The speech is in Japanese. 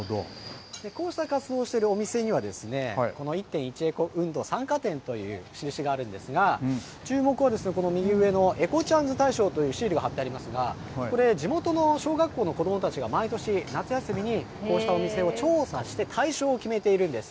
こうした活動をしているお店には、この１店１エコ運動参加店という印があるんですが、注目はこの右上のエコちゃんず大賞というシールが貼ってありますが、これ、地元の小学校の子どもたちが毎年夏休みに、こうしたお店を調査して、大賞を決めているんです。